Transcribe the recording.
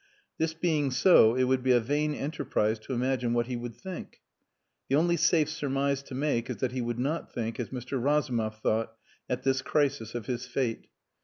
This being so it would be a vain enterprise to imagine what he would think. The only safe surmise to make is that he would not think as Mr. Razumov thought at this crisis of his fate.